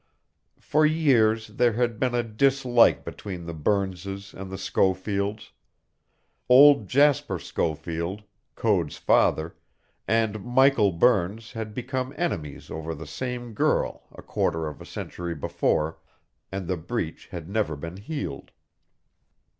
For years there had been a dislike between the Burnses and the Schofields. Old Jasper Schofield, Code's father, and Michael Burns had become enemies over the same girl a quarter of a century before, and the breach had never been healed.